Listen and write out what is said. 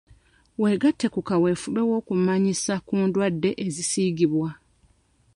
Weegatte ku kaweefube w'okumanyisa ku ndwadde ezisiigibwa.